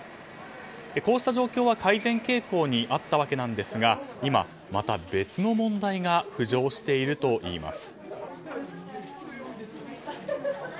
こうした状況は改善傾向にあったわけですが今、また別の問題が浮上しているといいます。